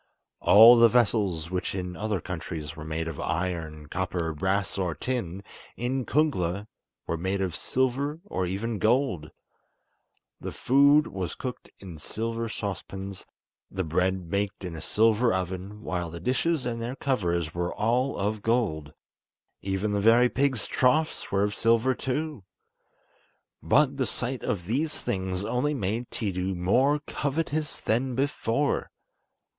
All the vessels which in other countries are made of iron, copper, brass, or tin, in Kungla were made of silver, or even of gold. The food was cooked in silver saucepans, the bread baked in a silver oven, while the dishes and their covers were all of gold. Even the very pigs' troughs were of silver too. But the sight of these things only made Tiidu more covetous than before.